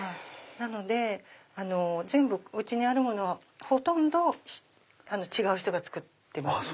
なのでうちにあるものはほとんど違う人が作ってますね。